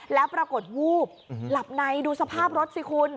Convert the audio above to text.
แล้วปรากฏวูบหลับในดูสภาพรถสิคุณ